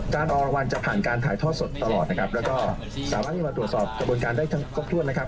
การออกรางวัลจะผ่านการถ่ายทอดสดตลอดและสามารถให้มาตรวจสอบกระบวนการได้ทั้งครบถ้วน